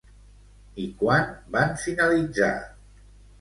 I quan van finalitzar?